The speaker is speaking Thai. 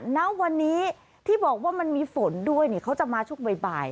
ณวันนี้ที่บอกว่ามันมีฝนด้วยเขาจะมาช่วงบ่าย